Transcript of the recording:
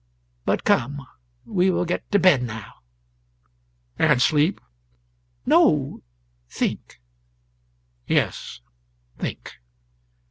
But come; we will get to bed now." "And sleep?" "No; think." "Yes; think."